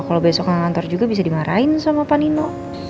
kalau besok gak kantor juga bisa dimarahin sama panino